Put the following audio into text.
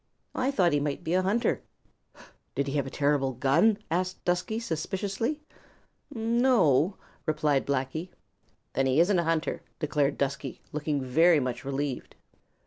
"I thought he might be a hunter." "Did he have a terrible gun?" asked Dusky suspiciously. "No o," replied Blacky. "Then he isn't a hunter," declared Dusky, looking much relieved.